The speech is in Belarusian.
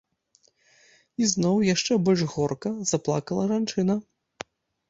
І зноў, яшчэ больш горка, заплакала жанчына.